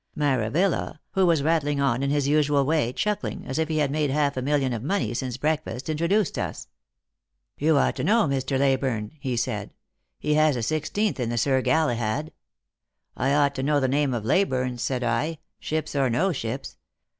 Maravilla, who was rattling on in his usual way, chuckling as if he had made half a million of money since breakfast, introduced us. ' You ought to know Mr. Leyburne,' he said; 'he has a sixteenth in the Sir Galahad.' 'I ought to know the name of Leyburne,' said I, ' ships or no ships.